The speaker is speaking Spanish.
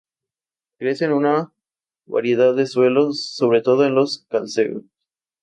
Eso nos permite ver cada componente de la luz inicial por separado.